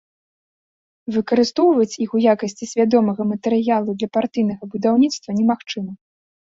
Выкарыстоўваць іх у якасці свядомага матэрыялу для партыйнага будаўніцтва немагчыма.